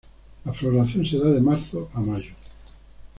La floración se da de marzo a mayo.